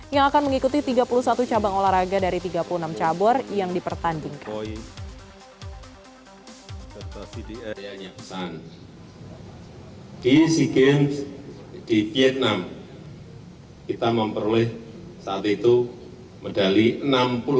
yang akan mengikuti tiga puluh satu cabang olahraga dari tiga puluh enam cabur yang dipertandingkan